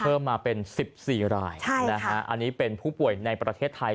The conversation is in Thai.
เพิ่มมาเป็น๑๔รายอันนี้เป็นผู้ป่วยในประเทศไทย